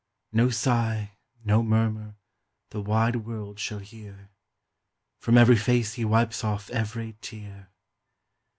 No sigh, no murmur, the wide world shall hear. From every face he wipes off every tear.